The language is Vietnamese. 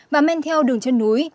và men theo đường chân núi